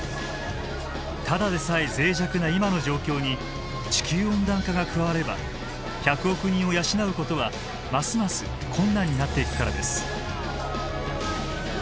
ただでさえ脆弱な今の状況に地球温暖化が加われば１００億人を養うことはますます困難になっていくからです。